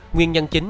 nguyên nhân chính